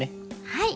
はい。